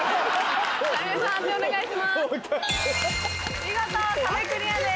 見事壁クリアです。